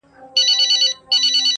بې منزله مسافر یم- پر کاروان غزل لیکمه-